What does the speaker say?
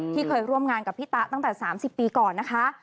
เคยร่วมงานกับพี่ตะตั้งแต่๓๐ปีก่อนนะคะ